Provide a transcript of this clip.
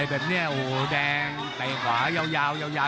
โหโหโหโหโหโหโหโหโหโห